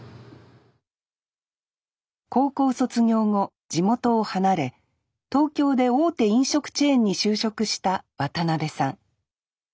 高校卒業後地元を離れ東京で大手飲食チェーンに就職した渡邉さん。